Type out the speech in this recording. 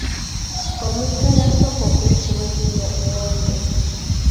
Omuntu eyasooka okuyitibwa erinnya Muwonge.